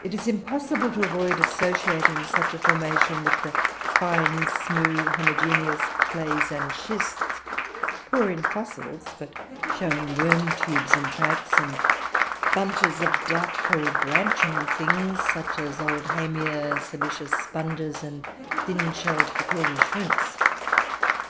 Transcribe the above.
"It is impossible to avoid associating such a formation with the fine, smooth, homogeneous clays and schists, poor in fossils, but showing worm tubes and tracks, and bunches of doubtful branching things, such as Oldhamia, silicious sponges, and thin shelled peculiar shrimps.